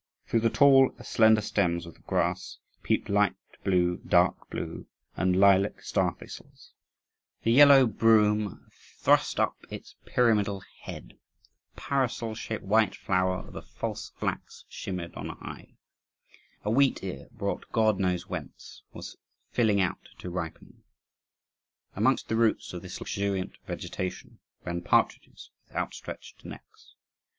Through the tall, slender stems of the grass peeped light blue, dark blue, and lilac star thistles; the yellow broom thrust up its pyramidal head; the parasol shaped white flower of the false flax shimmered on high. A wheat ear, brought God knows whence, was filling out to ripening. Amongst the roots of this luxuriant vegetation ran partridges with outstretched necks.